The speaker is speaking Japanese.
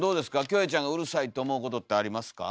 キョエちゃんがうるさいって思うことってありますか？